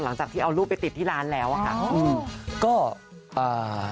หลังจากที่เอารูปไปติดที่ร้านแล้วค่ะ